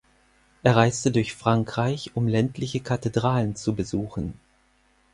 Er reiste durch Frankreich, um ländliche Kathedralen zu besuchen.